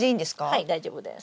はい大丈夫です。